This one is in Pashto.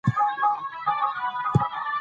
خور مې له تېرو دوو ساعتونو راهیسې ډوډۍ پخوي.